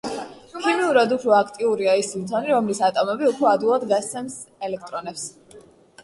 ქიმიურად უფრო აქტიურია ის ლითონი, რომლის ატომები უფრო ადვილად გასცემს ელექტრონებს.